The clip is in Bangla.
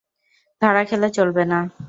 ধরা খেলে চলবে না।